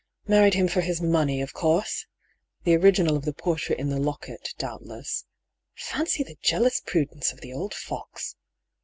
Married him for his money, of course I The original of the portrait in the locket, doubtless. Fancy the jealous prudence of the old fox